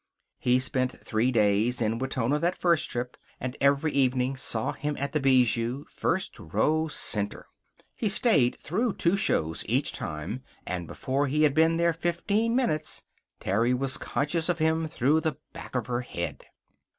He spent three days in Wetona that first trip, and every evening saw him at the Bijou, first row, center. He stayed through two shows each time, and before he had been there fifteen minutes Terry was conscious of him through the back of her head.